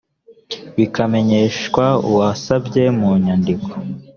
bikamenyeshwa uwasabye mu nyandiko